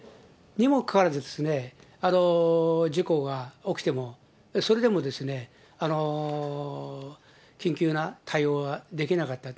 にもかかわらず、事故が起きても、それでも、緊急な対応はできなかった。